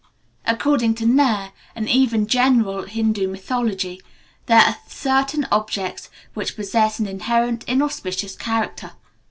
According to Nair, and even general Hindu mythology, there are certain objects which possess an inherent inauspicious character.